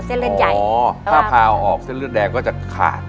เส้นเลือดใหญ่อ๋อถ้าพาออกเส้นเลือดแดงก็จะขาด